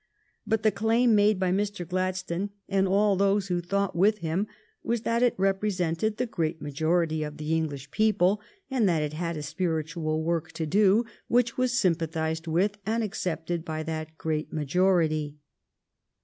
But the claim made by Mr. Gladstone, and all those who thought with him, was that it represented the great majority of the English people and that it had a spiritual work to do which was sympa thized with and accepted by that great majority.